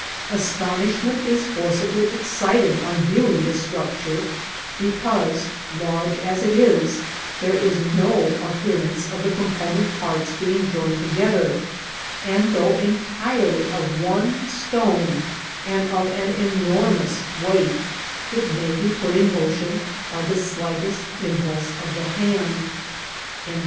Astonishment is forcibly excited on view ing this structure, because, large as it is, there is no ap pearance of the component parts being joined together ; and thou^ entirely of one stone, and of an enormous weight, it may be put in motion by the slightest im pulse oi the hand.''